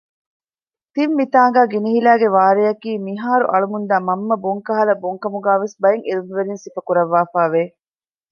ތިން މިތާގައި ގިނިހިލައިގެ ވާރެއަކީ މިހާރު އަޅަމުންދާ މަންމަ ބޮންކަހަލަ ބޮންކަމުގައި ވެސް ބައެއް ޢިލްމުވެރިން ސިފަކުރަށްވާފައި ވެ